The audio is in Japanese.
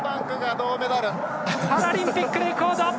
パラリンピックレコード！